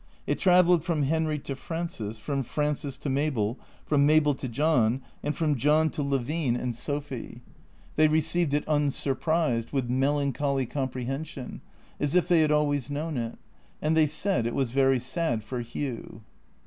It travelled from Henry to Frances, from Frances to Mabel, from Mabel to John, and from John to Levine and 354 THECEEATOKS Sophy. They received it unsurprised, with melancholy com prehension, as if tliey had always known it. And they said it was very sad for Hugh.